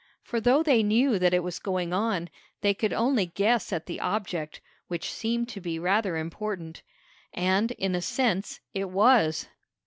For though they knew that it was going on, they could only guess at the object, which seemed to be rather important. And, in a sense, it was.